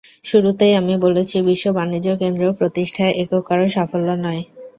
শুরুতেই আমি বলেছি, বিশ্ব বাণিজ্য কেন্দ্র প্রতিষ্ঠা একক কারও সাফল্য নয়।